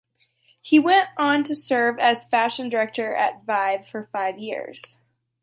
He went on to serve as fashion director at "Vibe" for five years.